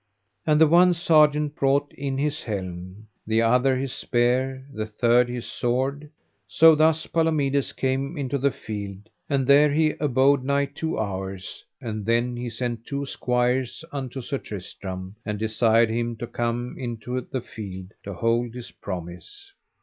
And the one sergeant brought in his helm, the other his spear, the third his sword. So thus Palomides came into the field, and there he abode nigh two hours; and then he sent a squire unto Sir Tristram, and desired him to come into the field to hold his promise.